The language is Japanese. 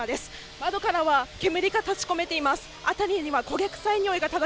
窓からは煙が立ち込めています。